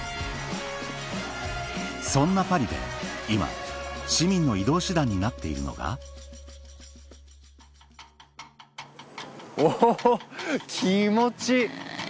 そんなパリで今市民の移動手段になっているのがお気持ちいい。